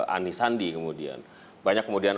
anisandi kemudian banyak kemudian